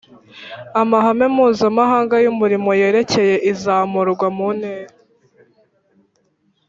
Amahame Mpuzamahanga y’Umurimo yerekeye izamurwa mu ntera